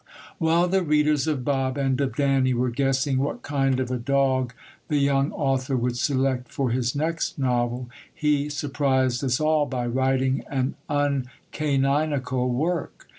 While the readers of Bob and of Danny were guessing what kind of a dog the young author would select for his next novel, he surprised us all by writing an uncaninical work.